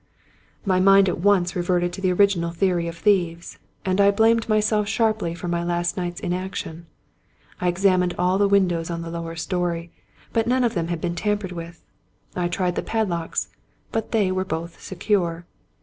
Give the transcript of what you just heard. My mind at once reverted to the original theory of thieves; and I blamed myself sharply for my last night's inaction. I examined all the windows on the lower story, but none of them had been tampered with ; I tried the pad locks, but they were both secure.